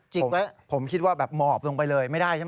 ผมคิดว่าแบบหมอบลงไปเลยไม่ได้ใช่ไหม